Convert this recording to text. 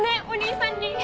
お兄さんに！